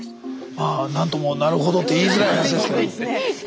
まあなんともなるほどって言いづらい話ですけど。